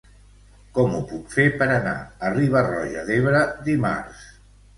Com ho puc fer per anar a Riba-roja d'Ebre dimarts?